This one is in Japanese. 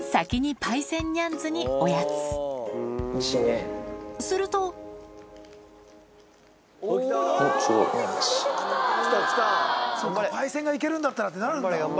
パイセンが行けるんだったらってなるんだ。